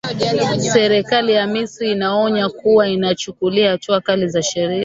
serikali ya misri inaonya kuwa itamchukulia hatua kali za sheria